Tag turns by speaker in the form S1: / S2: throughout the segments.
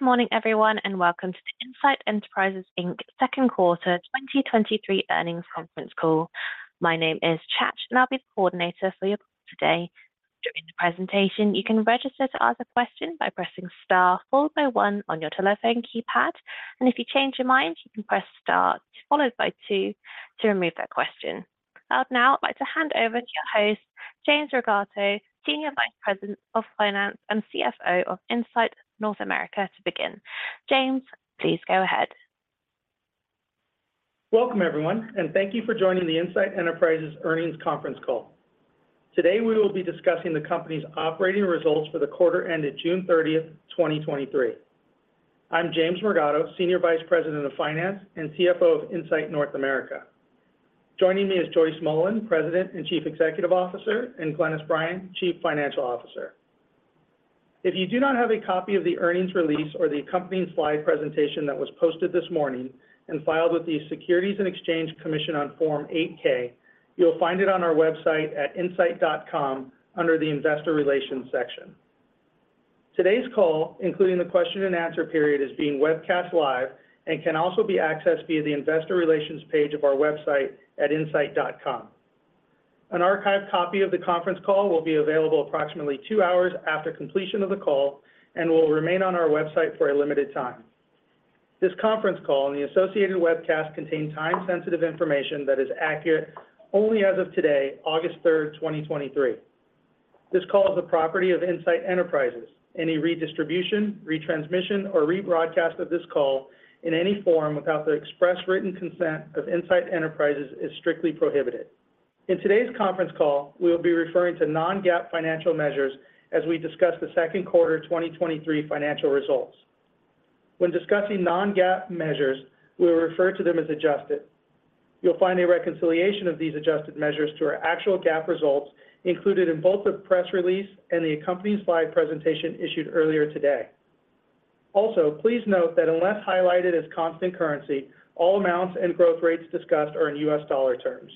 S1: Good morning, everyone, and welcome to the Insight Enterprises Inc.'s second quarter 2023 earnings conference call. My name is Chach, and I'll be the coordinator for your call today. During the presentation, you can register to ask a question by pressing star followed by 1 on your telephone keypad, and if you change your mind, you can press star followed by two to remove that question. I'd now like to hand over to your host, James Morgado, Senior Vice President of Finance and CFO of Insight North America, to begin. James, please go ahead.
S2: Welcome, everyone, and thank you for joining the Insight Enterprises Earnings Conference Call. Today, we will be discussing the company's operating results for the quarter ended June 30th, 2023. I'm James Morgado, Senior Vice President of Finance and CFO of Insight North America. Joining me is Joyce Mullen, President and Chief Executive Officer, and Glynis Bryan, Chief Financial Officer. If you do not have a copy of the earnings release or the accompanying slide presentation that was posted this morning and filed with the Securities and Exchange Commission on Form 8-K, you'll find it on our website at insight.com under the Investor Relations section. Today's call, including the question and answer period, is being webcast live and can also be accessed via the Investor Relations page of our website at insight.com. An archived copy of the conference call will be available approximately two hours after completion of the call and will remain on our website for a limited time. This conference call and the associated webcast contain time-sensitive information that is accurate only as of today, August 3rd, 2023. This call is the property of Insight Enterprises. Any redistribution, retransmission, or rebroadcast of this call in any form without the express written consent of Insight Enterprises is strictly prohibited. In today's conference call, we will be referring to non-GAAP financial measures as we discuss the second quarter 2023 financial results. When discussing non-GAAP measures, we will refer to them as adjusted. You'll find a reconciliation of these adjusted measures to our actual GAAP results included in both the press release and the accompanying slide presentation issued earlier today. Also, please note that unless highlighted as constant currency, all amounts and growth rates discussed are in U.S. dollar terms.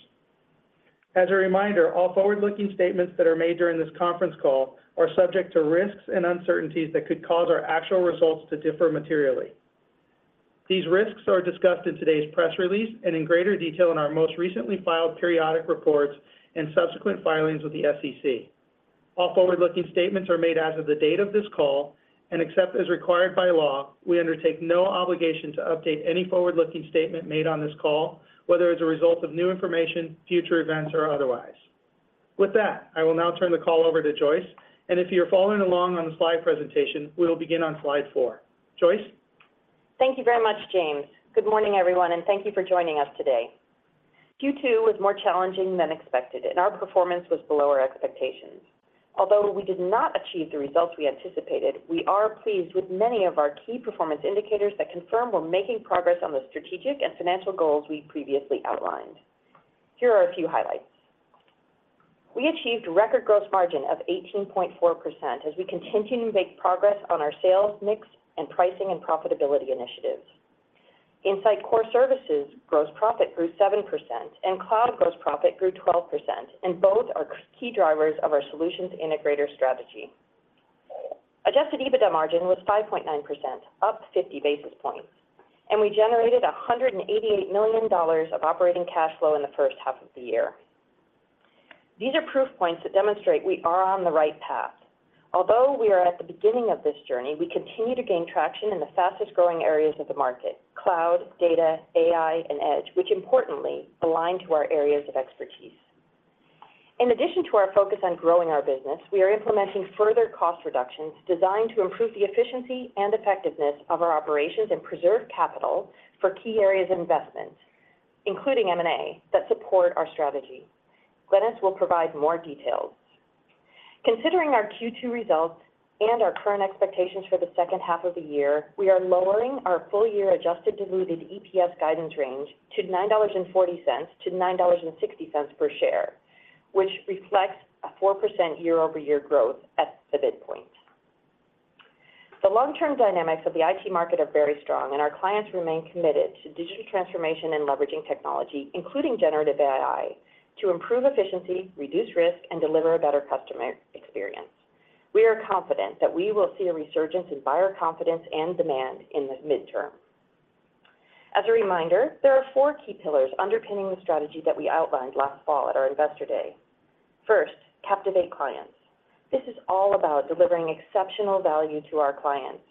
S2: As a reminder, all forward-looking statements that are made during this conference call are subject to risks and uncertainties that could cause our actual results to differ materially. These risks are discussed in today's press release and in greater detail in our most recently filed periodic reports and subsequent filings with the SEC. All forward-looking statements are made as of the date of this call, and except as required by law, we undertake no obligation to update any forward-looking statement made on this call, whether as a result of new information, future events, or otherwise. With that, I will now turn the call over to Joyce, and if you're following along on the slide presentation, we will begin on slide four. Joyce?
S3: Thank you very much, James. Good morning, everyone, and thank you for joining us today. Q2 was more challenging than expected, and our performance was below our expectations. Although we did not achieve the results we anticipated, we are pleased with many of our key performance indicators that confirm we're making progress on the strategic and financial goals we previously outlined. Here are a few highlights. We achieved record gross margin of 18.4% as we continue to make progress on our sales mix and pricing and profitability initiatives. Insight Core Services gross profit grew 7%, and cloud gross profit grew 12%, and both are key drivers of our solutions integrator strategy. Adjusted EBITDA margin was 5.9%, up 50 basis points, and we generated $188 million of operating cash flow in the first half of the year. These are proof points that demonstrate we are on the right path. Although we are at the beginning of this journey, we continue to gain traction in the fastest-growing areas of the market: cloud, data, AI, and edge, which importantly align to our areas of expertise. In addition to our focus on growing our business, we are implementing further cost reductions designed to improve the efficiency and effectiveness of our operations and preserve capital for key areas of investment, including M&A, that support our strategy. Glynis will provide more details. Considering our Q2 results and our current expectations for the second half of the year, we are lowering our full-year adjusted diluted EPS guidance range to $9.40-$9.60 per share, which reflects a 4% year-over-year growth at the midpoint. The long-term dynamics of the IT market are very strong, and our clients remain committed to digital transformation and leveraging technology, including generative AI, to improve efficiency, reduce risk, and deliver a better customer experience. We are confident that we will see a resurgence in buyer confidence and demand in the midterm. As a reminder, there are four key pillars underpinning the strategy that we outlined last fall at our Investor Day. First, captivate clients. This is all about delivering exceptional value to our clients.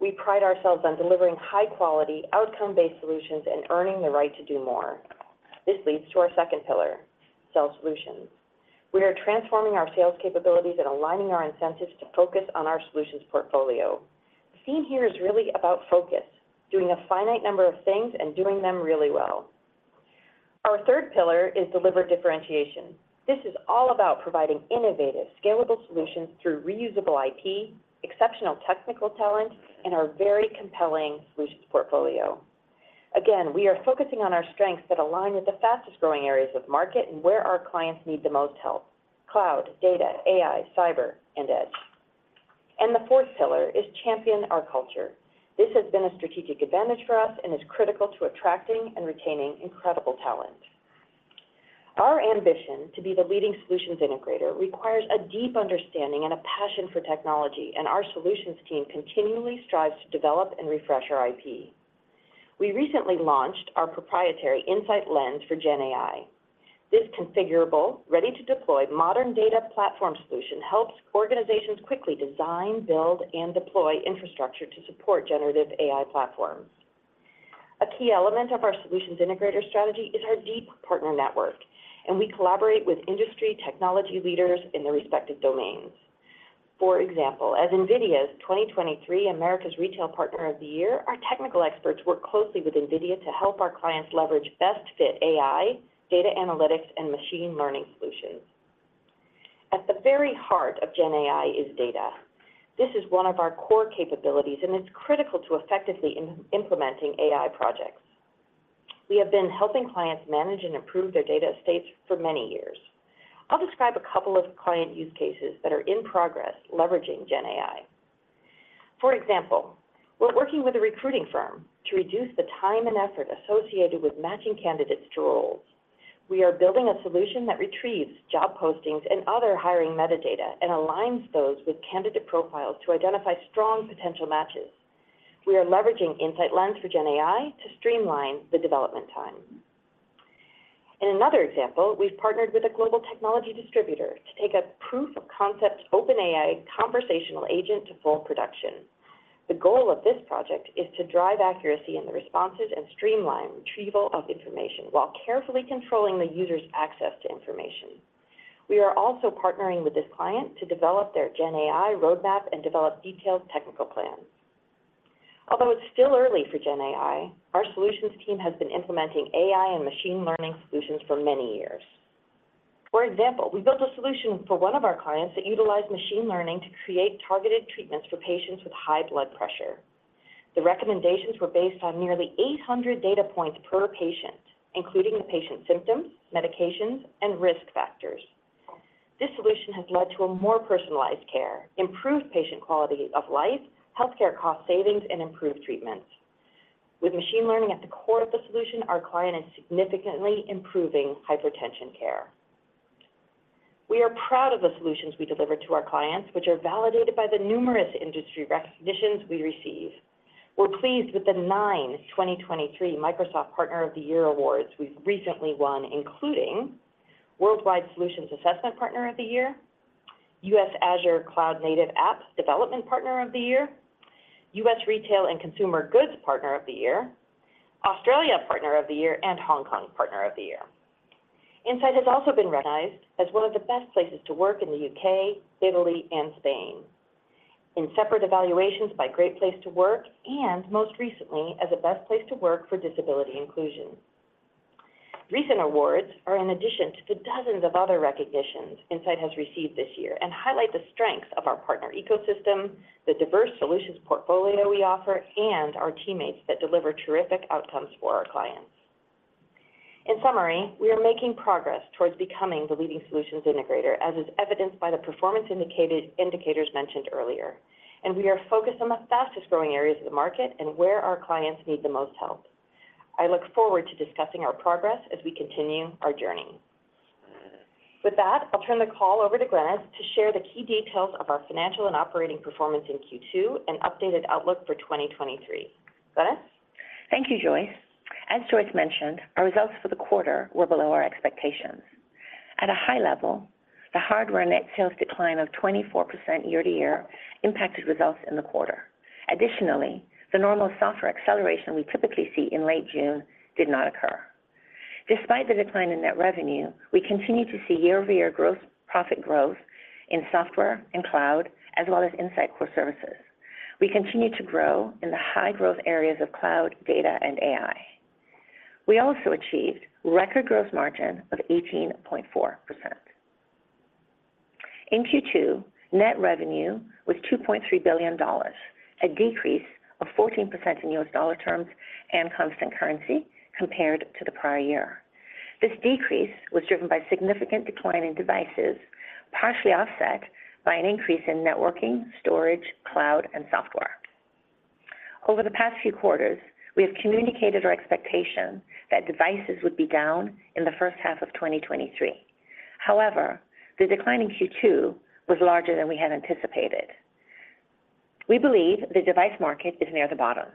S3: We pride ourselves on delivering high-quality, outcome-based solutions and earning the right to do more. This leads to our second pillar: sell solutions. We are transforming our sales capabilities and aligning our incentives to focus on our solutions portfolio. The theme here is really about focus, doing a finite number of things and doing them really well. Our third pillar is deliver differentiation. This is all about providing innovative, scalable solutions through reusable IP, exceptional technical talent, and our very compelling solutions portfolio. Again, we are focusing on our strengths that align with the fastest-growing areas of market and where our clients need the most help: cloud, data, AI, cyber, and edge. The fourth pillar is champion our culture. This has been a strategic advantage for us and is critical to attracting and retaining incredible talent. Our ambition to be the leading solutions integrator requires a deep understanding and a passion for technology, and our solutions team continually strives to develop and refresh our IP. We recently launched our proprietary Insight Lens for GenAI. This configurable, ready-to-deploy modern data platform solution helps organizations quickly design, build, and deploy infrastructure to support generative AI platforms. A key element of our solutions integrator strategy is our deep partner network. We collaborate with industry technology leaders in their respective domains. For example, as NVIDIA's 2023 Americas Retail Partner of the Year, our technical experts work closely with NVIDIA to help our clients leverage best-fit AI, data analytics, and machine learning solutions. At the very heart of GenAI is data. This is one of our core capabilities, and it's critical to effectively implementing AI projects. We have been helping clients manage and improve their data estates for many years. I'll describe a couple of client use cases that are in progress leveraging GenAI. For example, we're working with a recruiting firm to reduce the time and effort associated with matching candidates to roles. We are building a solution that retrieves job postings and other hiring metadata and aligns those with candidate profiles to identify strong potential matches. We are leveraging Insight Lens for GenAI to streamline the development time. In another example, we've partnered with a global technology distributor to take a proof-of-concept OpenAI conversational agent to full production. The goal of this project is to drive accuracy in the responses and streamline retrieval of information while carefully controlling the user's access to information. We are also partnering with this client to develop their GenAI roadmap and develop detailed technical plans. Although it's still early for GenAI, our solutions team has been implementing AI and machine learning solutions for many years. For example, we built a solution for one of our clients that utilized machine learning to create targeted treatments for patients with high blood pressure. The recommendations were based on nearly 800 data points per patient, including the patient's symptoms, medications, and risk factors. This solution has led to a more personalized care, improved patient quality of life, healthcare cost savings, and improved treatments. With machine learning at the core of the solution, our client is significantly improving hypertension care. We are proud of the solutions we deliver to our clients, which are validated by the numerous industry recognitions we receive. We're pleased with the 9, 2023 Microsoft Partner of the Year awards we've recently won, including Worldwide Solutions Assessment Partner of the Year, US Azure Cloud Native Apps Development Partner of the Year, US Retail and Consumer Goods Partner of the Year, Australia Partner of the Year, and Hong Kong Partner of the Year. Insight has also been recognized as one of the best places to work in the UK, Italy, and Spain in separate evaluations by Great Place to Work, and most recently, as a best place to work for disability inclusion. Recent awards are in addition to the dozens of other recognitions Insight has received this year and highlight the strengths of our partner ecosystem, the diverse solutions portfolio we offer, and our teammates that deliver terrific outcomes for our clients. In summary, we are making progress towards becoming the leading solutions integrator, as is evidenced by the performance indicators mentioned earlier. We are focused on the fastest-growing areas of the market and where our clients need the most help. I look forward to discussing our progress as we continue our journey. With that, I'll turn the call over to Glynis to share the key details of our financial and operating performance in Q2 and updated outlook for 2023. Glynis?
S4: Thank you, Joyce. As Joyce mentioned, our results for the quarter were below our expectations. At a high level, the hardware net sales decline of 24% year-over-year impacted results in the quarter. Additionally, the normal software acceleration we typically see in late June did not occur. Despite the decline in net revenue, we continue to see year-over-year growth, profit growth in software and cloud, as well as Insight Core Services. We continue to grow in the high-growth areas of cloud, data, and AI. We also achieved record gross margin of 18.4%. In Q2, net revenue was $2.3 billion, a decrease of 14% in U.S. dollar terms and constant currency compared to the prior year. This decrease was driven by significant decline in devices, partially offset by an increase in networking, storage, cloud, and software. Over the past few quarters, we have communicated our expectation that devices would be down in the first half of 2023. However, the decline in Q2 was larger than we had anticipated. We believe the device market is near the bottom.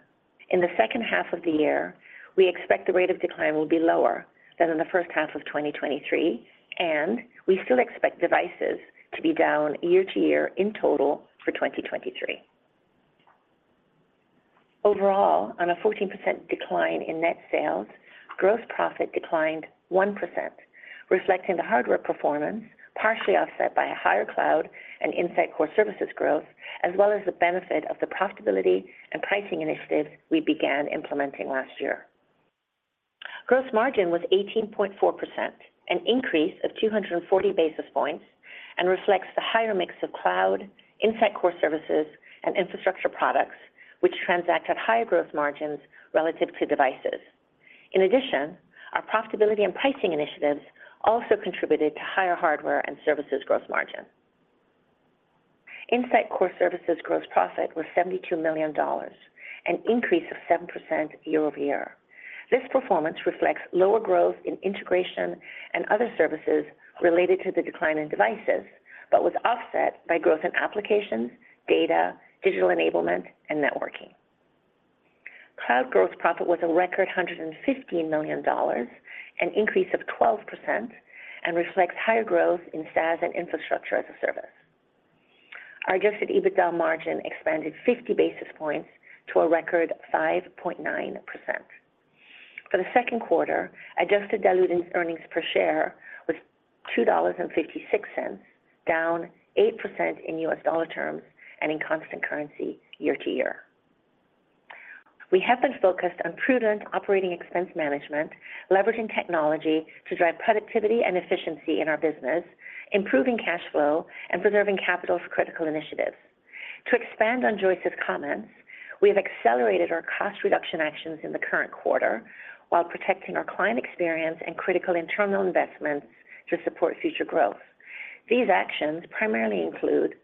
S4: In the second half of the year, we expect the rate of decline will be lower than in the first half of 2023, and we still expect devices to be down year-over-year in total for 2023. Overall, on a 14% decline in net sales, gross profit declined 1%, reflecting the hardware performance, partially offset by a higher cloud and Insight Core Services growth, as well as the benefit of the profitability and pricing initiatives we began implementing last year. Gross margin was 18.4%, an increase of 240 basis points, and reflects the higher mix of Cloud, Insight Core Services, and infrastructure products, which transact at higher growth margins relative to devices. In addition, our profitability and pricing initiatives also contributed to higher hardware and services growth margin. Insight Core Services gross profit was $72 million, an increase of 7% year-over-year. This performance reflects lower growth in integration and other services related to the decline in devices, but was offset by growth in applications, data, digital enablement, and networking. Cloud gross profit was a record $150 million, an increase of 12%, and reflects higher growth in SaaS and Infrastructure as a Service. Our Adjusted EBITDA margin expanded 50 basis points to a record 5.9%. For the second quarter, adjusted diluted EPS was $2.56, down 8% in U.S. dollar terms and in constant currency year-over-year. We have been focused on prudent operating expense management, leveraging technology to drive productivity and efficiency in our business, improving cash flow, and preserving capital for critical initiatives. To expand on Joyce's comments, we have accelerated our cost reduction actions in the current quarter while protecting our client experience and critical internal investments to support future growth. These actions primarily include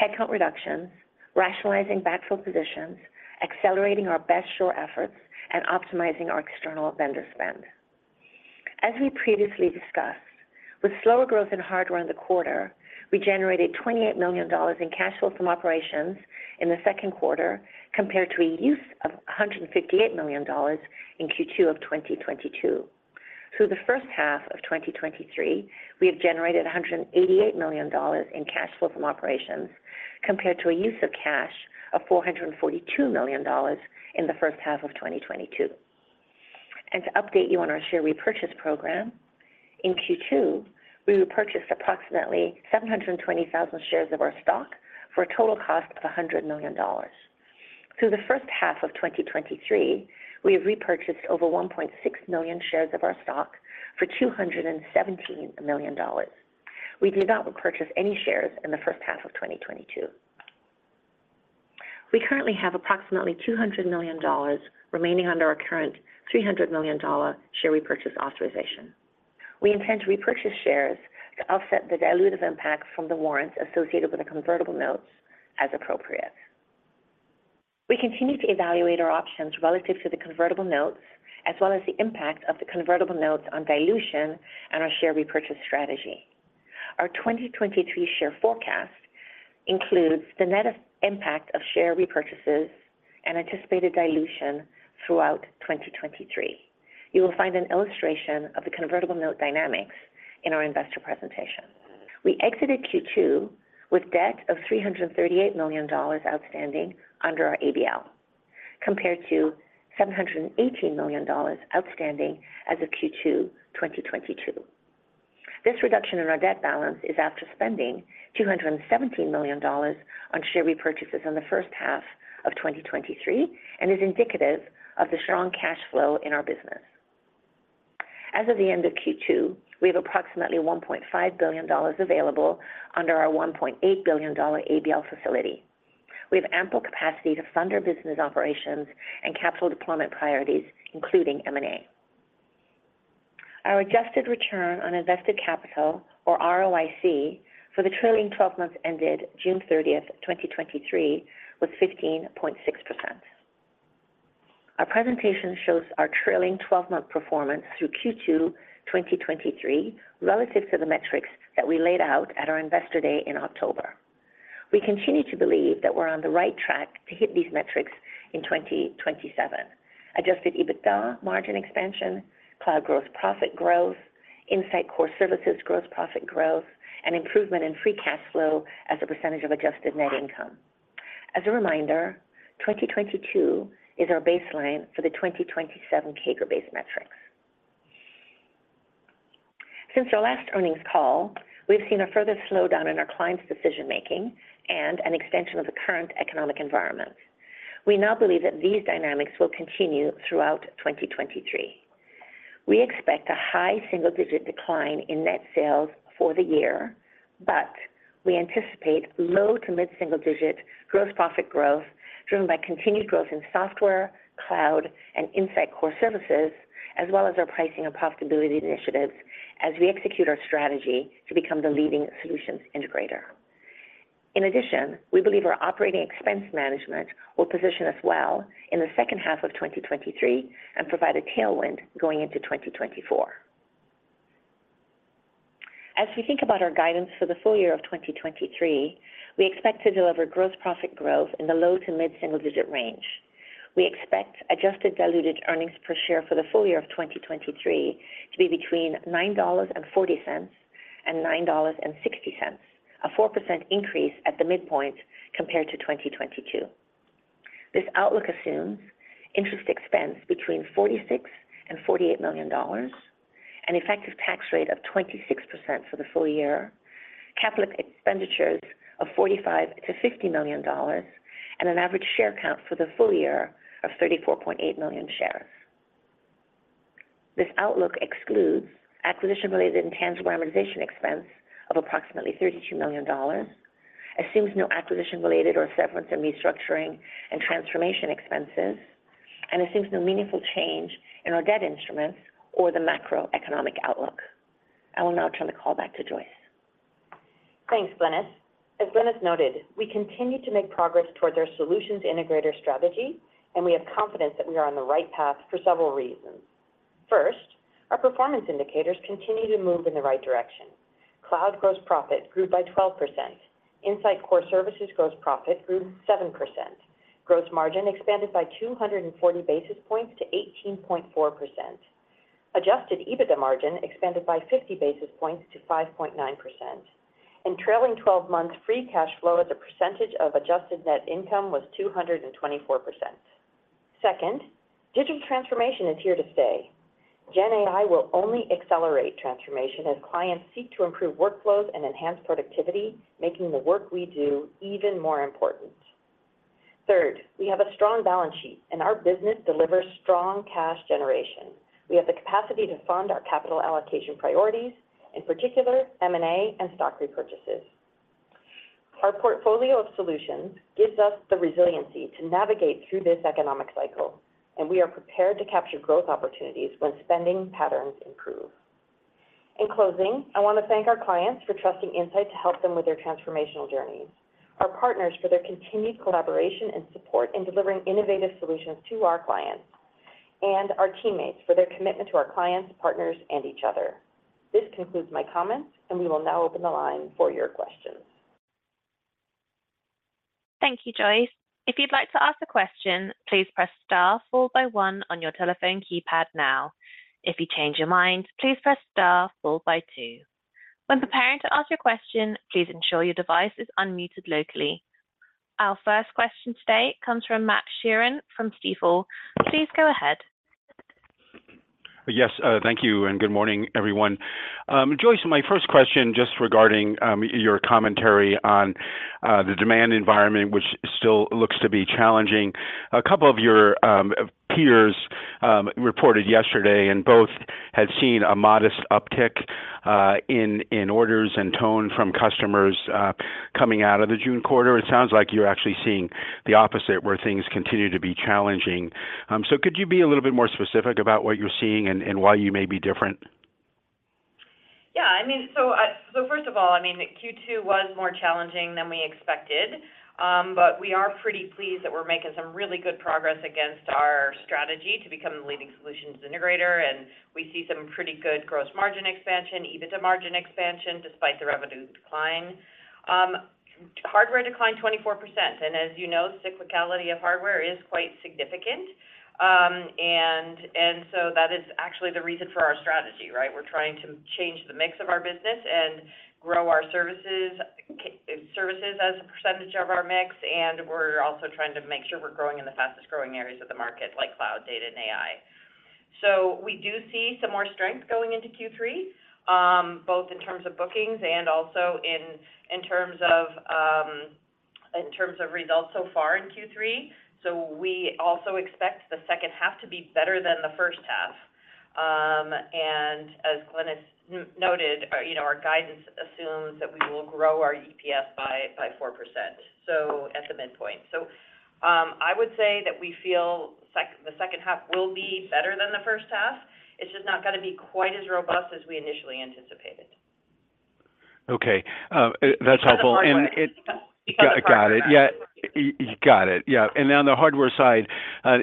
S4: headcount reductions, rationalizing backfill positions, accelerating our best-shore efforts, and optimizing our external vendor spend. As we previously discussed, with slower growth in hardware in the quarter, we generated $28 million in cash flow from operations in the second quarter, compared to a use of $158 million in Q2 of 2022. Through the first half of 2023, we have generated $188 million in cash flow from operations, compared to a use of cash of $442 million in the first half of 2022. To update you on our share repurchase program, in Q2, we repurchased approximately 720,000 shares of our stock for a total cost of $100 million. Through the first half of 2023, we have repurchased over 1.6 million shares of our stock for $217 million. We did not repurchase any shares in the first half of 2022. We currently have approximately $200 million remaining under our current $300 million share repurchase authorization. We intend to repurchase shares to offset the dilutive impact from the warrants associated with the convertible notes as appropriate. We continue to evaluate our options relative to the convertible notes, as well as the impact of the convertible notes on dilution and our share repurchase strategy. Our 2023 share forecast includes the net impact of share repurchases and anticipated dilution throughout 2023. You will find an illustration of the convertible note dynamics in our investor presentation. We exited Q2 with debt of $338 million outstanding under our ABL, compared to $718 million outstanding as of Q2 2022. This reduction in our debt balance is after spending $217 million on share repurchases in the first half of 2023, and is indicative of the strong cash flow in our business. As of the end of Q2, we have approximately $1.5 billion available under our $1.8 billion ABL facility. We have ample capacity to fund our business operations and capital deployment priorities, including M&A. Our adjusted return on invested capital, or ROIC, for the trailing 12 months ended June 30th, 2023, was 15.6%. Our presentation shows our trailing 12-month performance through Q2 2023, relative to the metrics that we laid out at our Investor Day in October. We continue to believe that we're on the right track to hit these metrics in 2027. Adjusted EBITDA, margin expansion, cloud growth, profit growth, Insight Core Services, gross profit growth, and improvement in free cash flow as a percentage of adjusted net income. As a reminder, 2022 is our baseline for the 2027 CAGR-based metrics. Since our last earnings call, we've seen a further slowdown in our clients' decision-making and an extension of the current economic environment. We now believe that these dynamics will continue throughout 2023. We expect a high single-digit decline in net sales for the year, but we anticipate low to mid single-digit gross profit growth, driven by continued growth in software, cloud, and Insight Core Services, as well as our pricing and profitability initiatives as we execute our strategy to become the leading solutions integrator. In addition, we believe our operating expense management will position us well in the second half of 2023 and provide a tailwind going into 2024. As we think about our guidance for the full year of 2023, we expect to deliver gross profit growth in the low to mid single-digit range. We expect adjusted diluted earnings per share for the full year of 2023 to be between $9.40 and $9.60, a 4% increase at the midpoint compared to 2022. This outlook assumes interest expense between $46 million-$48 million, an effective tax rate of 26% for the full year, capital expenditures of $45 million-$50 million, and an average share count for the full year of 34.8 million shares. This outlook excludes acquisition-related intangible amortization expense of approximately $32 million, assumes no acquisition-related or severance and restructuring and transformation expenses, and assumes no meaningful change in our debt instruments or the macroeconomic outlook. I will now turn the call back to Joyce.
S3: Thanks, Glynis. As Glynis noted, we continue to make progress toward our solutions integrator strategy, and we have confidence that we are on the right path for several reasons. First, our performance indicators continue to move in the right direction. Cloud gross profit grew by 12%. Insight Core Services gross profit grew 7%. Gross margin expanded by 240 basis points to 18.4%. Adjusted EBITDA margin expanded by 50 basis points to 5.9%, and trailing twelve-month free cash flow as a percentage of adjusted net income was 224%. Second, digital transformation is here to stay. GenAI will only accelerate transformation as clients seek to improve workflows and enhance productivity, making the work we do even more important. Third, we have a strong balance sheet, and our business delivers strong cash generation. We have the capacity to fund our capital allocation priorities, in particular M&A and stock repurchases. Our portfolio of solutions gives us the resiliency to navigate through this economic cycle, and we are prepared to capture growth opportunities when spending patterns improve. In closing, I want to thank our clients for trusting Insight to help them with their transformational journeys, our partners for their continued collaboration and support in delivering innovative solutions to our clients, and our teammates for their commitment to our clients, partners, and each other. This concludes my comments. We will now open the line for your questions.
S1: Thank you, Joyce. If you'd like to ask a question, please press star followed by one on your telephone keypad now. If you change your mind, please press star followed by two. When preparing to ask your question, please ensure your device is unmuted locally. Our first question today comes from Matthew Sheerin from Stifel. Please go ahead.
S5: Yes, thank you, and good morning, everyone. Joyce, my first question, just regarding your commentary on the demand environment, which still looks to be challenging. A couple of your peers reported yesterday, and both had seen a modest uptick in orders and tone from customers coming out of the June quarter. It sounds like you're actually seeing the opposite, where things continue to be challenging. Could you be a little bit more specific about what you're seeing and, and why you may be different?
S3: Yeah, I mean, first of all, I mean, Q2 was more challenging than we expected. We are pretty pleased that we're making some really good progress against our strategy to become the leading solutions integrator, and we see some pretty good gross margin expansion, EBITDA margin expansion, despite the revenue decline. Hardware declined 24%, as you know, cyclicality of hardware is quite significant. That is actually the reason for our strategy, right? We're trying to change the mix of our business and grow our services, services as a percentage of our mix, and we're also trying to make sure we're growing in the fastest-growing areas of the market, like cloud, data, and AI. We do see some more strength going into Q3, both in terms of bookings and also in terms of results so far in Q3. We also expect the second half to be better than the first half. And as Glynis noted, you know, our guidance assumes that we will grow our EPS by 4%, so at the midpoint. I would say that we feel the second half will be better than the first half. It's just not gonna be quite as robust as we initially anticipated.
S5: Okay, that's helpful.
S3: Because of the hardware.
S5: Got it. Yeah. Got it, yeah. On the hardware side,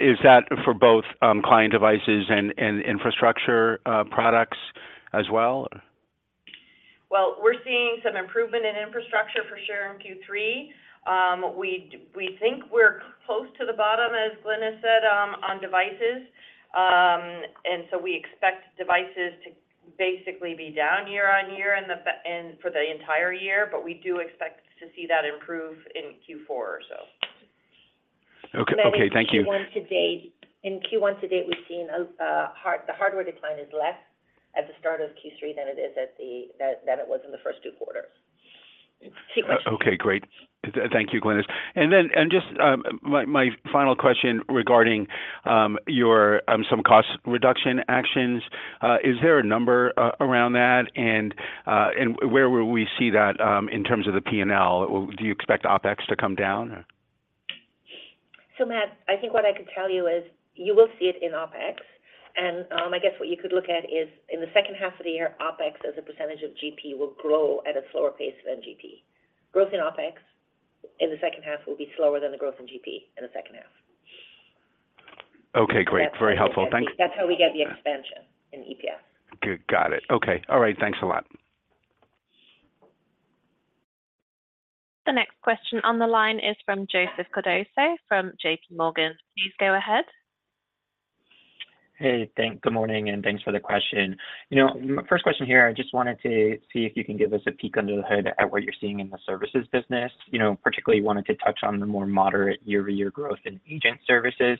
S5: is that for both client devices and infrastructure products as well?
S3: Well, we're seeing some improvement in infrastructure for sure in Q3. We think we're close to the bottom, as Glynis said, on devices. We expect devices to basically be down year-over-year and for the entire year, but we do expect to see that improve in Q4 or so.
S5: Okay. Okay, thank you.
S4: In Q1-to-date, in Q1-to-date, we've seen a, The hardware decline is less at the start of Q3 than it is at the, than it was in the first two quarters.
S5: Okay, great. Thank you, Glynis. My final question regarding your some cost reduction actions. Is there a number around that? Where will we see that in terms of the PNL? Do you expect OpEx to come down?
S4: Matt, I think what I can tell you is you will see it in OpEx, and I guess what you could look at is in the second half of the year, OpEx, as a % of GP, will grow at a slower pace than GP. Growth in OpEx in the second half will be slower than the growth in GP in the second half.
S5: Okay, great. Very helpful. Thanks.
S4: That's how we get the expansion in EPS.
S5: Good. Got it. Okay. All right. Thanks a lot.
S1: The next question on the line is from Joseph Cardoso from JPMorgan. Please go ahead.
S6: Hey, Good morning, and thanks for the question. You know, my first question here, I just wanted to see if you can give us a peek under the hood at what you're seeing in the services business. You know, particularly wanted to touch on the more moderate year-over-year growth in agent services,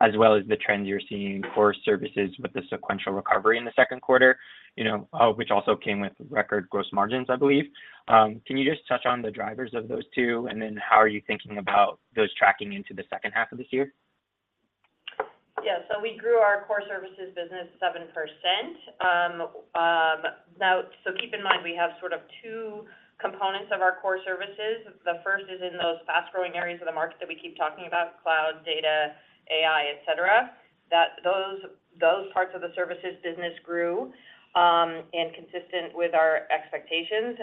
S6: as well as the trends you're seeing for services with the sequential recovery in the second quarter, you know, which also came with record gross margins, I believe. Can you just touch on the drivers of those two, and then how are you thinking about those tracking into the second half of this year?
S3: Yeah. We grew our Core Services business 7%. Now, keep in mind, we have sort of two components of our Core Services. The first is in those fast-growing areas of the market that we keep talking about, cloud, data, AI, et cetera. That those, those parts of the services business grew, and consistent with our expectations.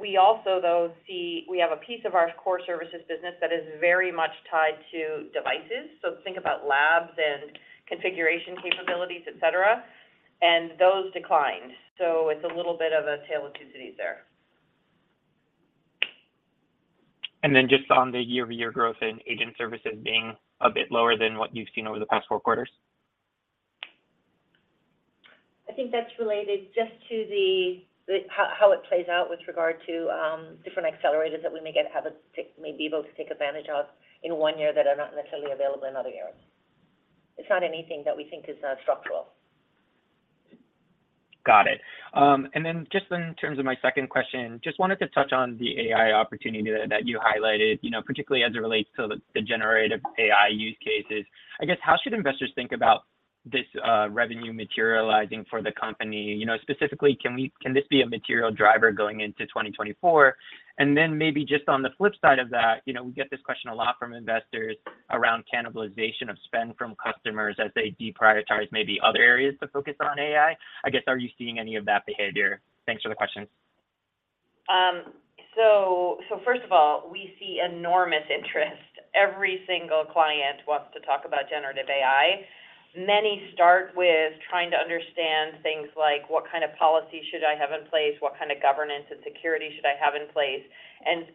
S3: We also, though, see we have a piece of our Core Services business that is very much tied to devices. Think about labs and configuration capabilities, et cetera, and those declined. It's a little bit of a tale of two cities there.
S6: Then just on the year-over-year growth in agent services being a bit lower than what you've seen over the past four quarters?
S4: I think that's related just to the, the, how, how it plays out with regard to different accelerators that we may get, have a, may be able to take advantage of in one year that are not necessarily available in other years. It's not anything that we think is structural.
S6: Got it. Just in terms of my second question, just wanted to touch on the AI opportunity that you highlighted, you know, particularly as it relates to the generative AI use cases. I guess, how should investors think about this revenue materializing for the company? You know, specifically, can this be a material driver going into 2024? Maybe just on the flip side of that, you know, we get this question a lot from investors around cannibalization of spend from customers as they deprioritize maybe other areas to focus on AI. I guess, are you seeing any of that behavior? Thanks for the questions.
S3: First of all, we see enormous interest. Every single client wants to talk about generative AI. Many start with trying to understand things like what kind of policy should I have in place? What kind of governance and security should I have in place?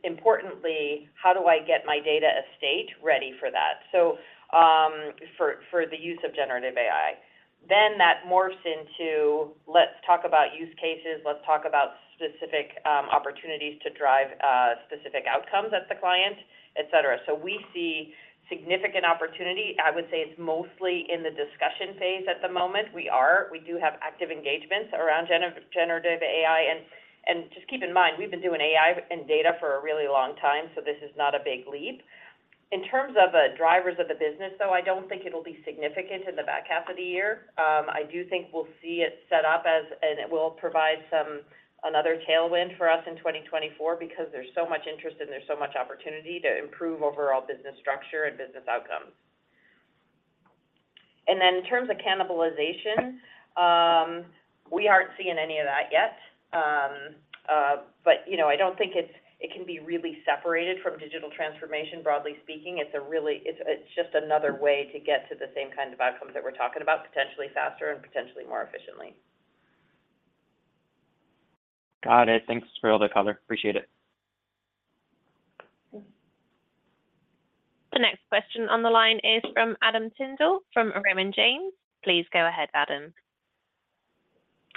S3: Importantly, how do I get my data estate ready for that? For the use of generative AI. That morphs into, let's talk about use cases, let's talk about specific opportunities to drive specific outcomes at the client, et cetera. We see significant opportunity. I would say it's mostly in the discussion phase at the moment. We do have active engagements around generative AI, just keep in mind, we've been doing AI and data for a really long time, this is not a big leap. In terms of drivers of the business, though, I don't think it'll be significant in the back half of the year. I do think we'll see it set up as, and it will provide some another tailwind for us in 2024 because there's so much interest and there's so much opportunity to improve overall business structure and business outcomes. In terms of cannibalization, we aren't seeing any of that yet. You know, I don't think it's, it can be really separated from digital transformation, broadly speaking. It's a really, It's, it's just another way to get to the same kind of outcomes that we're talking about, potentially faster and potentially more efficiently.
S6: Got it. Thanks for all the color. Appreciate it.
S1: The next question on the line is from Adam Tindle, from Raymond James. Please go ahead, Adam.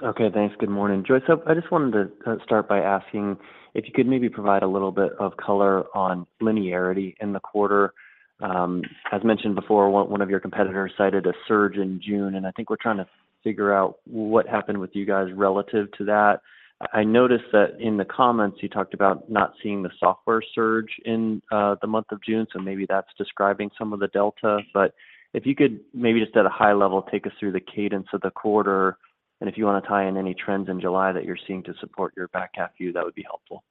S7: Okay, thanks. Good morning, Joyce. I just wanted to start by asking if you could maybe provide a little bit of color on linearity in the quarter. As mentioned before, one of your competitors cited a surge in June, and I think we're trying to figure out what happened with you guys relative to that. I noticed that in the comments, you talked about not seeing the software surge in the month of June, so maybe that's describing some of the delta. If you could maybe just at a high level, take us through the cadence of the quarter, and if you want to tie in any trends in July that you're seeing to support your back half view, that would be helpful.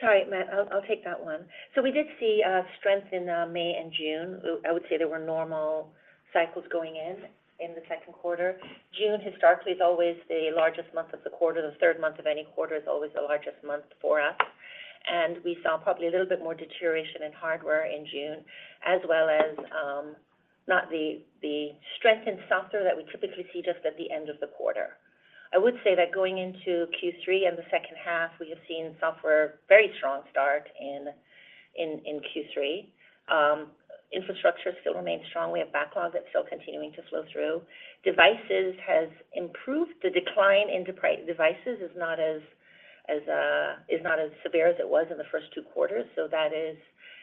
S4: Sorry, Matt, I'll, I'll take that one. We did see strength in May and June. I would say there were normal cycles going in in the second quarter. June, historically, is always the largest month of the quarter. The third month of any quarter is always the largest month for us, and we saw probably a little bit more deterioration in hardware in June, as well as not the strength in software that we typically see just at the end of the quarter. I would say that going into Q3 and the second half, we have seen software very strong start in Q3. Infrastructure still remains strong. We have backlog that's still continuing to flow through. Devices has improved. The decline in devices is not as, as, is not as severe as it was in the first two quarters, so that is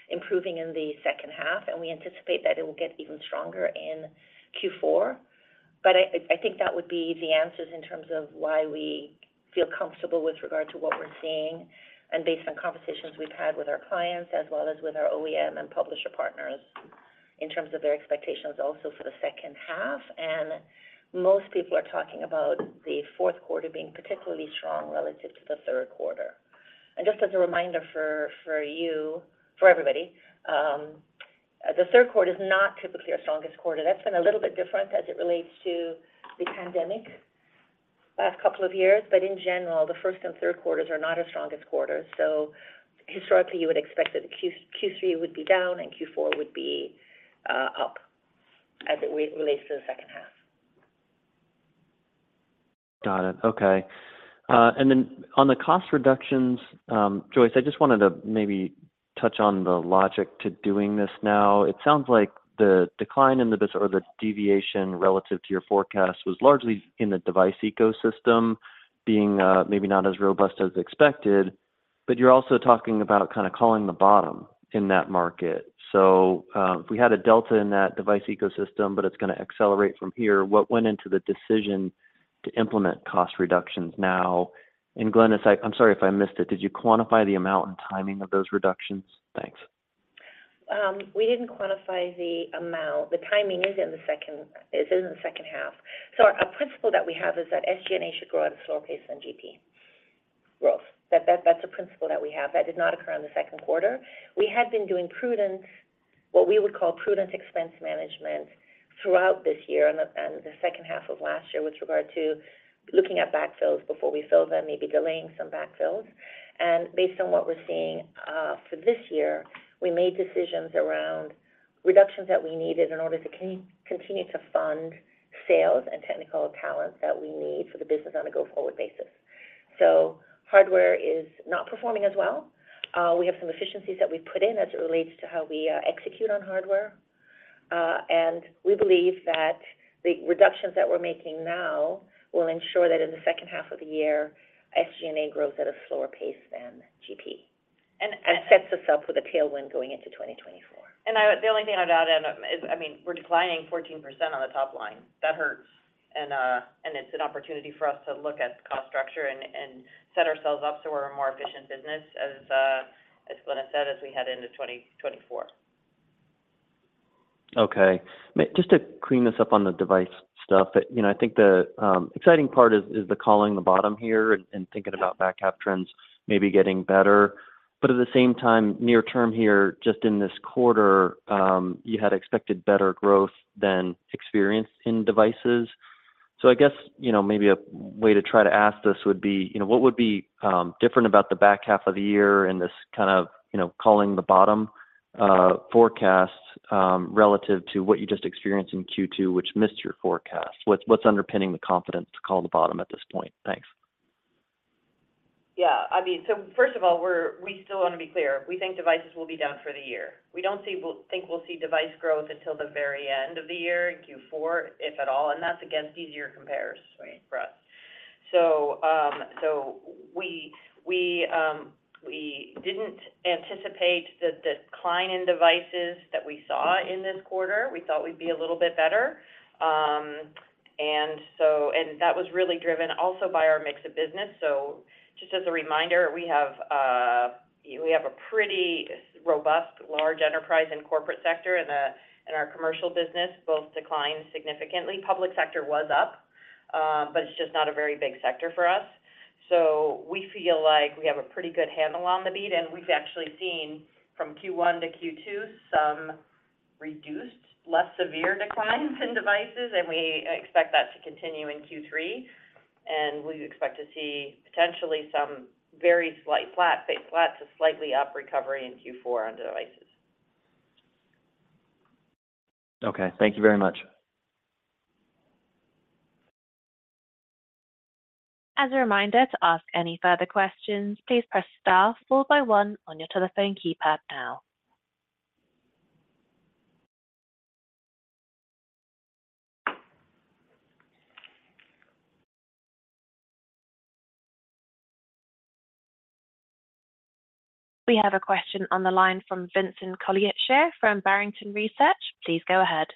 S4: improving in the second half, and we anticipate that it will get even stronger in Q4. I, I think that would be the answers in terms of why we feel comfortable with regard to what we're seeing and based on conversations we've had with our clients, as well as with our OEM and publisher partners, in terms of their expectations also for the second half. Most people are talking about the fourth quarter being particularly strong relative to the third quarter. Just as a reminder for, for you, for everybody, the third quarter is not typically our strongest quarter. That's been a little bit different as it relates to the pandemic last couple of years, but in general, the 1st and 3rd quarters are not our strongest quarters. Historically, you would expect that Q3, Q3 would be down and Q4 would be up as it relates to the 2nd half.
S7: Got it. Okay. On the cost reductions, Joyce, I just wanted to maybe touch on the logic to doing this now. It sounds like the decline in the or the deviation relative to your forecast was largely in the device ecosystem being maybe not as robust as expected, you're also talking about kind of calling the bottom in that market. If we had a delta in that device ecosystem, but it's gonna accelerate from here, what went into the decision to implement cost reductions now? Glynis, I'm sorry if I missed it, did you quantify the amount and timing of those reductions? Thanks.
S4: we didn't quantify the amount. The timing is in the second, is in the second half. Our principle that we have is that SG&A should grow at a slower pace than GP.... growth. That, that's a principle that we have. That did not occur in the second quarter. We had been doing prudent, what we would call prudent expense management throughout this year and the, and the second half of last year with regard to looking at backfills before we fill them, maybe delaying some backfills. Based on what we're seeing for this year, we made decisions around reductions that we needed in order to continue to fund sales and technical talent that we need for the business on a go-forward basis. Hardware is not performing as well. We have some efficiencies that we've put in as it relates to how we execute on hardware. We believe that the reductions that we're making now will ensure that in the second half of the year, SG&A grows at a slower pace than GP. It sets us up with a tailwind going into 2024. The only thing I'd add is, I mean, we're declining 14% on the top line. That hurts, and it's an opportunity for us to look at cost structure and set ourselves up so we're a more efficient business, as Glynis said, as we head into 2024.
S7: Okay. May-- Just to clean this up on the device stuff, you know, I think the exciting part is, is the calling the bottom here and, and thinking about back half trends maybe getting better. At the same time, near term here, just in this quarter, you had expected better growth than experienced in devices. I guess, you know, maybe a way to try to ask this would be, you know, what would be different about the back half of the year and this kind of, you know, calling the bottom forecast, relative to what you just experienced in Q2, which missed your forecast? What's, what's underpinning the confidence to call the bottom at this point? Thanks.
S3: Yeah. I mean, first of all, we still want to be clear. We think devices will be down for the year. We don't think we'll see device growth until the very end of the year, in Q4, if at all, that's against easier compares...
S6: Right...
S3: for us. We, we didn't anticipate the decline in devices that we saw in this quarter. We thought we'd be a little bit better. That was really driven also by our mix of business. Just as a reminder, we have a pretty robust, large enterprise and corporate sector in the, in our commercial business. Both declined significantly. Public sector was up, it's just not a very big sector for us. We feel like we have a pretty good handle on the beat, and we've actually seen from Q1 to Q2, some reduced, less severe declines in devices, and we expect that to continue in Q3. We expect to see potentially some very slight, flat, flat to slightly up recovery in Q4 on devices.
S7: Okay. Thank you very much.
S1: As a reminder, to ask any further questions, please press star followed by one on your telephone keypad now. We have a question on the line from Vincent Colicchio from Barrington Research. Please go ahead.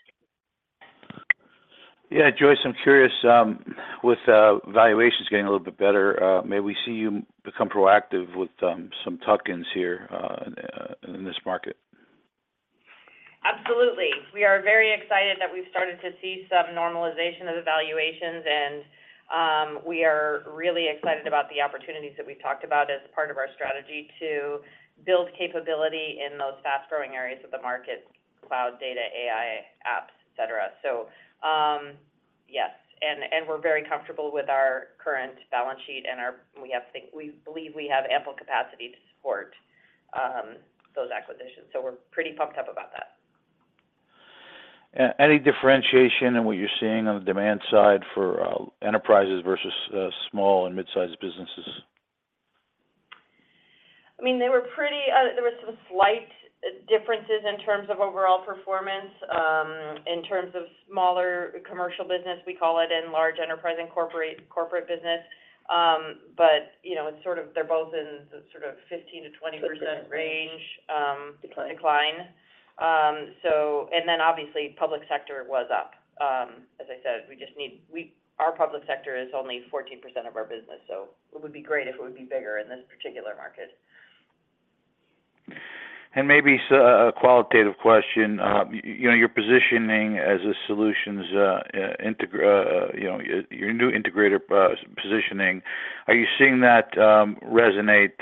S8: Yeah, Joyce, I'm curious, with valuations getting a little bit better, may we see you become proactive with some tuck-ins here, in, in this market?
S3: Absolutely. We are very excited that we've started to see some normalization of the valuations, and we are really excited about the opportunities that we've talked about as part of our strategy to build capability in those fast-growing areas of the market: cloud, data, AI, apps, et cetera. Yes, and we're very comfortable with our current balance sheet and our we believe we have ample capacity to support those acquisitions. We're pretty pumped up about that.
S8: Any differentiation in what you're seeing on the demand side for enterprises versus small and mid-sized businesses?
S3: I mean, they were pretty. There were some slight differences in terms of overall performance, in terms of smaller commercial business, we call it, and large enterprise and corporate, corporate business. You know, it's sort of, they're both in sort of 15%-20%.
S6: Range...
S3: range,
S6: Decline...
S3: decline. Then obviously, public sector was up. As I said, we just need our public sector is only 14% of our business, so it would be great if it would be bigger in this particular market.
S8: Maybe so a qualitative question. you know, you're positioning as a solutions, integra-- you know, your new integrator, positioning. Are you seeing that resonate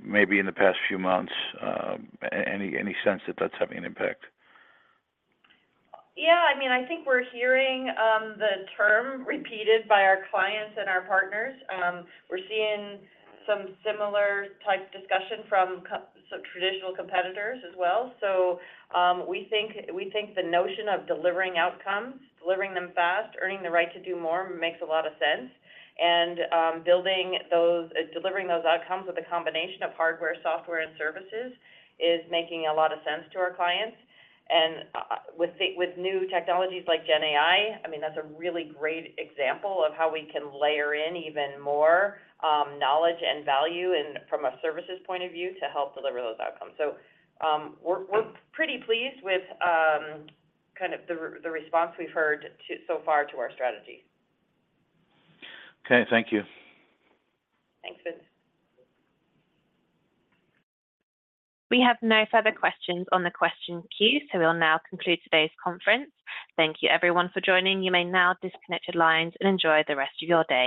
S8: maybe in the past few months? Any, any sense that that's having an impact?
S3: Yeah, I mean, I think we're hearing the term repeated by our clients and our partners. We're seeing some similar type discussion from some traditional competitors as well. We think, we think the notion of delivering outcomes, delivering them fast, earning the right to do more, makes a lot of sense. Delivering those outcomes with a combination of hardware, software, and services is making a lot of sense to our clients. With the, with new technologies like GenAI, I mean, that's a really great example of how we can layer in even more knowledge and value in, from a services point of view, to help deliver those outcomes. We're, we're pretty pleased with kind of the response we've heard so far to our strategy.
S8: Okay. Thank you.
S3: Thanks, Vince.
S1: We have no further questions on the question queue, so we'll now conclude today's conference. Thank you, everyone, for joining. You may now disconnect your lines and enjoy the rest of your day.